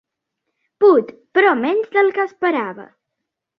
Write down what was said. Put, però menys del que esperava.